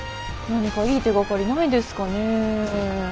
何かいい手がかりないですかね。